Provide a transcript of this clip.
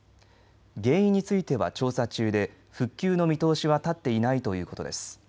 原因については調査中で復旧の見通しは立っていないということです。